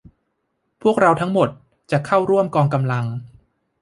ถ้าพวกเราทั้งหมดจะเข้าร่วมกองกำลัง